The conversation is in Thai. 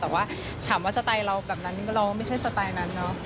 แต่ว่าถามว่าสไตล์เราแบบนั้นเราก็ไม่ใช่สไตล์นั้นเนาะ